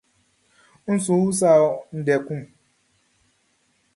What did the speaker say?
N su usa wɔ ndɛ kun.